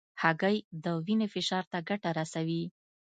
هګۍ د وینې فشار ته ګټه رسوي.